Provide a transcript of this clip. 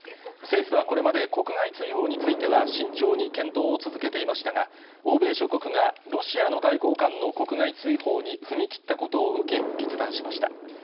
政府はこれまで、国外追放については慎重に検討を続けていましたが、欧米諸国が、ロシアの外交官の国外追放に踏み切ったことを受け、決断しました。